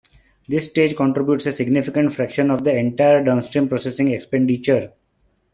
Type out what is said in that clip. This stage contributes a significant fraction of the entire downstream processing expenditure.